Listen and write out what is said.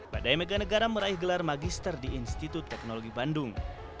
badai meganegara meraih gelar magister di institut teknologi bandung